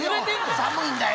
寒いんだよ。